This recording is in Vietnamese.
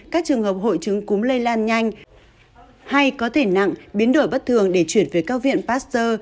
các trường hợp hội chứng cúm lây lan nhanh hay có thể nặng biến đổi bất thường để chuyển về các viện pasteur